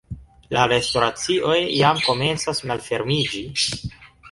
la restoracioj jam komencas malfermiĝi